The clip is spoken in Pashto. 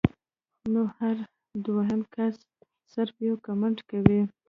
نو هر دويم کس صرف يو کمنټ کوي